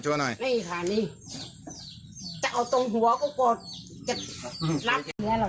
จะเอาตรงหวก็กลง